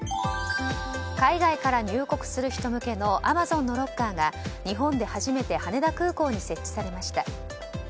海外から入国する人向けのアマゾンのロッカーが日本で初めて羽田空港に設置されました。